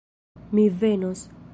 Mi venos.